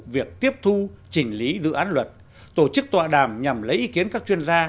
việc tiếp thu chỉnh lý dự án luật tổ chức tọa đàm nhằm lấy ý kiến các chuyên gia